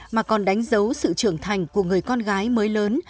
mà còn đánh dấu sự trưởng thành của người con gái mới lớn